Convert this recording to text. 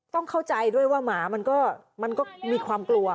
เข้าใจด้วยว่าหมามันก็มีความกลัว